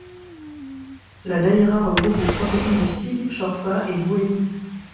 La daïra regroupe les trois communes de Sig, Chorfa et Bou Henni.